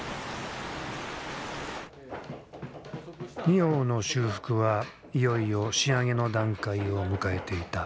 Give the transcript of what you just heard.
仁王の修復はいよいよ仕上げの段階を迎えていた。